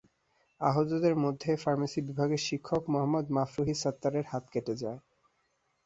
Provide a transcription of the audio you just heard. আহতদের মধ্যে ফার্মেসি বিভাগের শিক্ষক মোহাম্মদ মাফরুহী সাত্তারের হাত কেটে যায়।